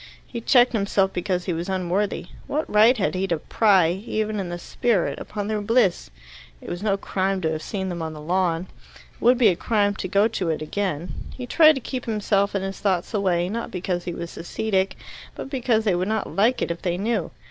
He checked himself because he was unworthy. What right had he to pry, even in the spirit, upon their bliss? It was no crime to have seen them on the lawn. It would be a crime to go to it again. He tried to keep himself and his thoughts away, not because he was ascetic, but because they would not like it if they knew.